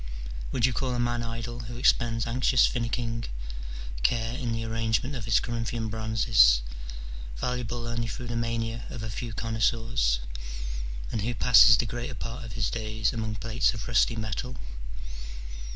Would you call a man idle who expends anxious finicking care in the arrangement of his Corinthian bronzes, valuable only through the mania of a few connoisseurs ? and who passes the greater part of his days among plates of rusty metal